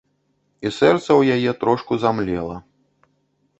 І сэрца ў яе трошку замлела.